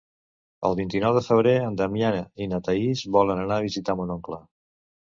El vint-i-nou de febrer en Damià i na Thaís volen anar a visitar mon oncle.